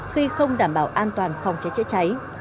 khi không đảm bảo an toàn phòng cháy chữa cháy